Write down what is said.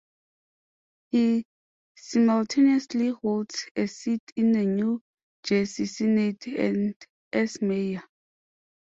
He simultaneously holds a seat in the New Jersey Senate and as Mayor.